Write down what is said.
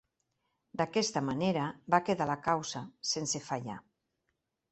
D'aquesta manera va quedar la causa sense fallar.